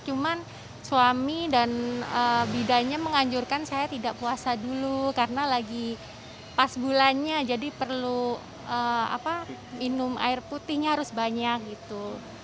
cuman suami dan bidannya menganjurkan saya tidak puasa dulu karena lagi pas bulannya jadi perlu minum air putihnya harus banyak gitu